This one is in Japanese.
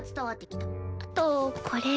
あとこれ。